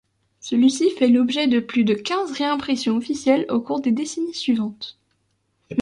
Celui-ci fait l'objet de plus de quinze réimpressions officielles au cours des décennies suivantes.